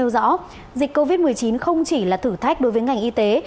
nguyễn xuân phúc nêu rõ dịch covid một mươi chín không chỉ là thử thách đối với ngành y tế